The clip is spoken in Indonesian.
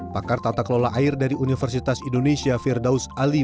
pakar tata kelola air dari universitas indonesia firdaus ali